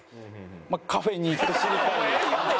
カフェに行って知りたい。